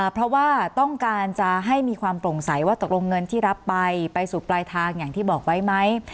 เพราะว่าต้องการจะให้มีความโปร่งใสว่าตกลงเงินที่รับไปไปสู่ปลายทางอย่างที่บอกไว้ไหม